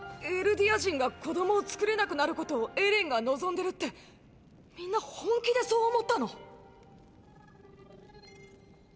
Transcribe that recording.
エルディア人が子供を作れなくなることをエレンが望んでるってみんな本気でそう思ったの？